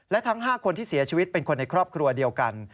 และทั้ง๕คนที่เสียชีวิตเป็นคนในครอบครัวเดียวกัน